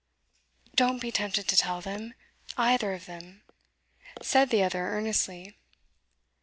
'Don't be tempted to tell them either of them!' said the other earnestly.